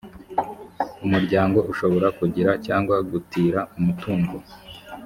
umuryango ushobora kugira cyangwa gutira umutungo